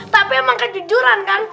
tapi emang kejujuran kan